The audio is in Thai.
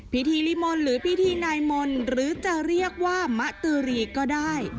พิธีริมนต์หรือพิธีนายมนต์หรือจะเรียกว่ามะตือรีก็ได้